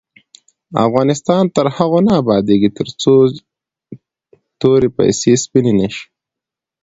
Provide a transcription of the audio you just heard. افغانستان تر هغو نه ابادیږي، ترڅو توري پیسې سپینې نشي.